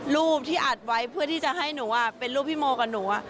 รูปที่อัดไว้เพื่อที่จะให้หนูเป็นรูปพี่โมกับหนู